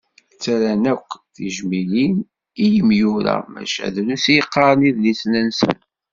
Ttarran akk tijmilin i imyura, maca drus i yeqqaren idlisen-nsen.